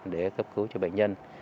để cấp cứu cho bệnh nhân